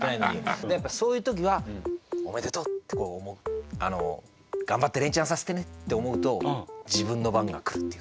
やっぱそういうときはおめでとうって頑張って連チャンさせてねって思うと自分の番が来るっていう。